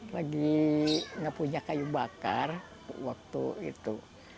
lagi nggak punya kayu bakar waktu itu